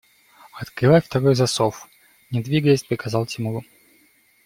– Открой второй засов! – не двигаясь, приказал Тимур.